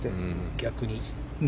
逆に。